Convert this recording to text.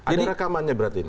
ada rekamannya berarti